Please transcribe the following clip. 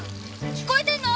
聞こえてるの？